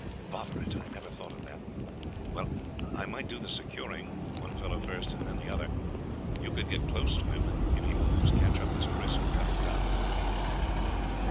"Bother it! I never thought of that. Well, I might do the securing, one fellow first, and then the other. You could get close to him, and if he moves, catch up his kris and cut him down."